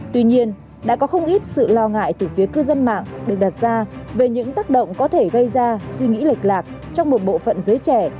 tuy nhiên đã có không ít sự lo ngại từ phía cư dân mạng được đặt ra về những tác động có thể gây ra suy nghĩ lệch lạc trong một bộ phận giới trẻ